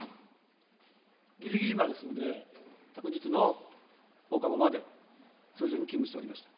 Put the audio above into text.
ぎりぎりまで、昨日の放課後まで、通常に勤務しておりました。